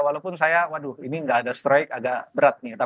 walaupun saya waduh ini nggak ada strike agak berat nih